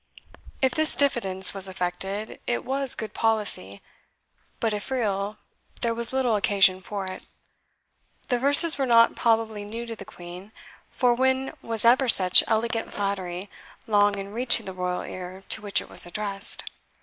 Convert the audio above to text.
If this diffidence was affected, it was good policy; but if real, there was little occasion for it. The verses were not probably new to the Queen, for when was ever such elegant flattery long in reaching the royal ear to which it was addressed?